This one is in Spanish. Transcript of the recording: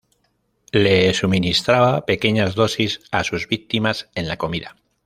Le suministraba pequeñas dosis a sus víctimas en la comida.